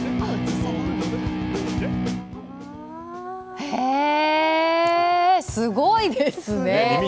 へえ、すごいですね。